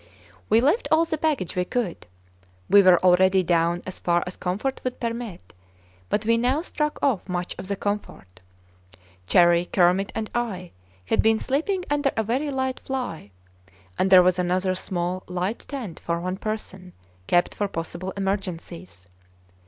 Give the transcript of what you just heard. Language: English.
We left all the baggage we could. We were already down as far as comfort would permit; but we now struck off much of the comfort. Cherrie, Kermit, and I had been sleeping under a very light fly; and there was another small light tent for one person, kept for possible emergencies.